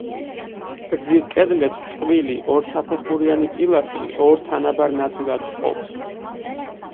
გრძივ კედლებს წყვილი, ორსაფეხურიანი პილასტრი ორ თანაბარ ნაწილად ჰყოფს.